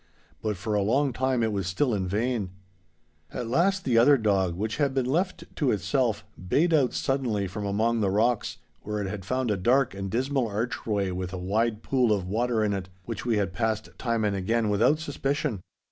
But for a long time it was still in vain. 'At last the other dog which had been left to itself, bayed out suddenly from among the rocks, where it had found a dark and dismal archway with a wide pool of water in it, which we had passed time and again without suspicion.